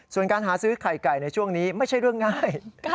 ส่วนการหาซื้อไข่ไก่ในช่วงนี้ไม่ใช่เรื่องง่าย